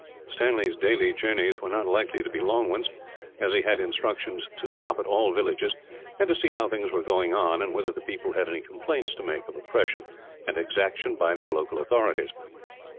Stanley's daily journeys were not likely to be long ones, as he had instructions to stop at all villages; and to see how things were going on, and whether the people had any complaints to make of oppression and exaction by their local authorities.